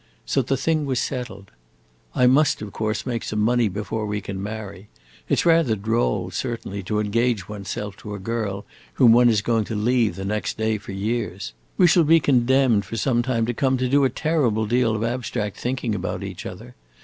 So the thing was settled. I must of course make some money before we can marry. It 's rather droll, certainly, to engage one's self to a girl whom one is going to leave the next day, for years. We shall be condemned, for some time to come, to do a terrible deal of abstract thinking about each other.